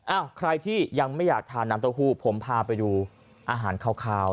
ใครที่ยังไม่อยากทานน้ำเต้าหู้ผมพาไปดูอาหารคาว